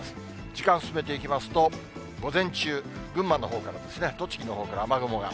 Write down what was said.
時間進めていきますと、午前中、群馬のほうから、栃木のほうから、雨雲が。